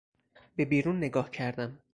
به بیرون نگاه کردم.